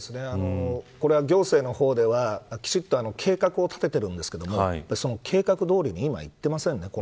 これは行政の方ではきちんと計画を立てているんですけどその計画どおりに今、いってませんね。